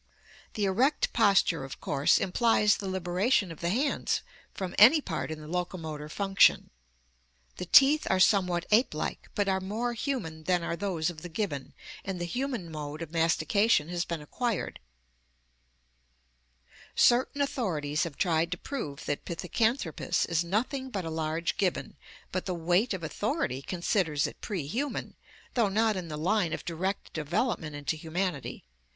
The erect posture of course implies the liberation of the hands from any part in the locomotor func tion. The teeth are some what ape like, but are more human than are those of the gibbon, and the human mode of mas FlG 247— Skull of Java ape man, Pithecanthropus ....iv • 1 erectus. (Modified from Dubois.) tication has been acquired. Certain authorities have tried to prove that Pithecanthropus is nothing but a large gibbon, but the weight of authority considers it prehuman, though not in the line of direct development into humanity.